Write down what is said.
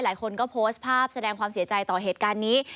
หลายคนก็โพสต์ภาพแสดงความเสียใจต่อเหตุการณ์นี้